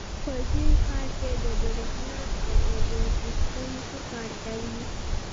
په دې ښار کې د بریښنا او اوبو سیسټم ښه کار کوي